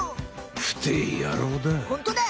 ふてえやろうだ。